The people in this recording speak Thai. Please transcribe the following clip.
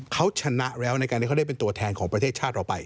เขาชนะแล้วในการที่เขาได้เป็นตัวแทนของประเทศชาติเราไป